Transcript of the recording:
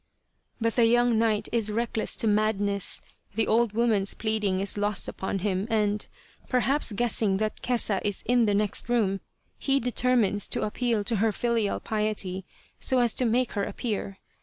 But the young knight is reckless to madness ; the old woman's pleading is lost upon him and, perhaps guessing that Kesa is in the next room, he determines to appeal to her filial piety so as to make her appear.